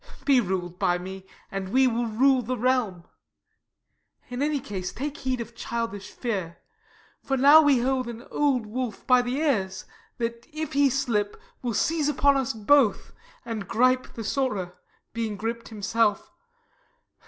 Be rul'd by me, and we will rule the realm: In any case take heed of childish fear, For now we hold an old wolf by the ears, That, if he slip, will seize upon us both, And gripe the sorer, being grip'd himself.